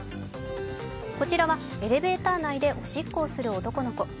こちらはエレベーター内でおしっこをする男の子。